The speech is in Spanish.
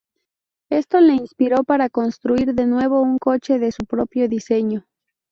Esto le inspiró para construir de nuevo un coche de su propio diseño.